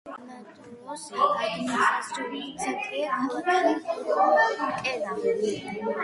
საგუბერნატოროს ადმინისტრაციული ცენტრია ქალაქი კენა.